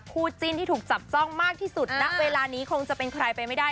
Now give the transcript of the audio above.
คู่จิ้นที่ถูกจับจ้องมากที่สุดณเวลานี้คงจะเป็นใครไปไม่ได้